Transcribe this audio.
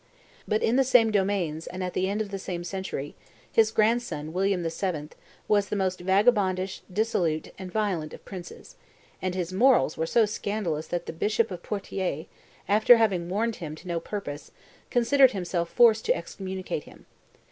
But, in the same domains and at the end of the same century, his grandson William VII. was the most vagabondish, dissolute, and violent of princes; and his morals were so scandalous that the bishop of Poitiers, after having warned him to no purpose, considered himself forced to excommunicate him.